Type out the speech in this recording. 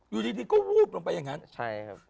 อยู่ดีก็วูบลงไปอย่างนั้นใช่ครับ